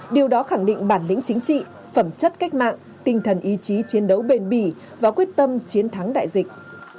điều đó khẳng định bản lĩnh chính trị phẩm chất cách mạng tinh thần ý chí chiến đấu bền bỉ và quyết tâm chiến thắng đại dịch